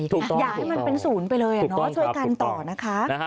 อยากให้มันเป็นศูนย์ไปเลยช่วยกันต่อนะคะ